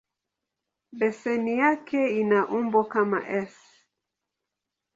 Beseni yake ina umbo kama "S".